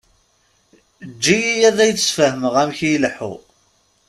Eǧǧ-iyi ad ak-d-sfehmeɣ amek i ileḥḥu.